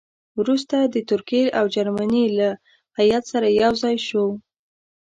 وروسته د ترکیې او جرمني له هیات سره یو ځای شو.